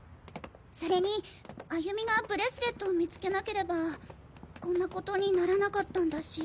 それに歩美がブレスレットを見つけなければこんなことにならなかったんだし。